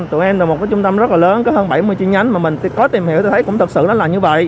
tụi em là một trung tâm rất là lớn có hơn bảy mươi chi nhánh mà mình có tìm hiểu tôi thấy cũng thật sự là như vậy